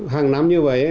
hàng năm như vậy